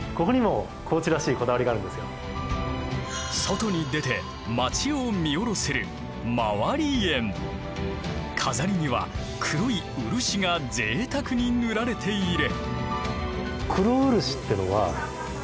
外に出て街を見下ろせる飾りには黒い漆がぜいたくに塗られている。